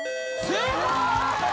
正解！